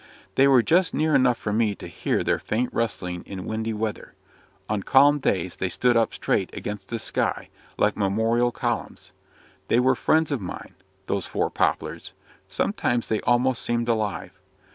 They were just near enough for me to hear their faint rustling in windy weather; on calm days they stood up straight against the sky, like memorial columns. They were friends of mine those four poplars; sometimes they almost seemed alive.